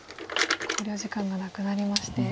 考慮時間がなくなりまして。